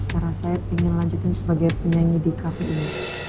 karena saya pingin lanjutkan sebagai penyanyi di cafe ini